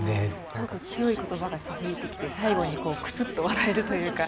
すごく強い言葉が続いてきて最後にクスッと笑えるというか。